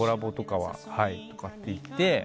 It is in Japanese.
はい」とかって言って。